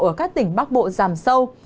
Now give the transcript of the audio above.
ở các tỉnh bắc bộ giảm sâu